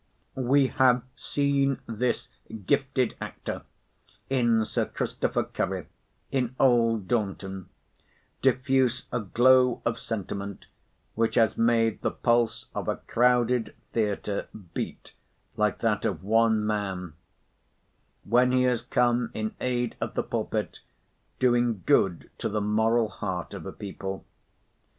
We have seen this gifted actor in Sir Christopher Curry—in Old Dornton—diffuse a glow of sentiment which has made the pulse of a crowded theatre beat like that of one man; when he has come in aid of the pulpit, doing good to the moral heart of a people.